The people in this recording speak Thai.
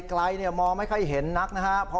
ไกลมองไม่ค่อยเห็นนักนะครับ